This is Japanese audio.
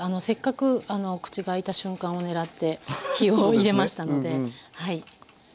せっかく口が開いた瞬間を狙って火を入れましたので。